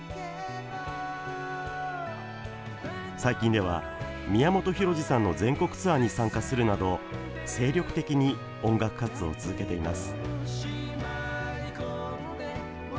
最近では、宮本浩次さんの全国ツアーに参加するなど精力的に音楽活動を続けています。